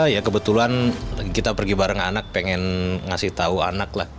ya kebetulan kita pergi bareng anak pengen ngasih tahu anak lah